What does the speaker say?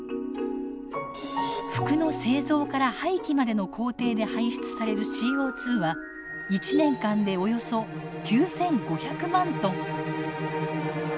服の製造から廃棄までの工程で排出されるＣＯ２は１年間でおよそ９，５００万トン。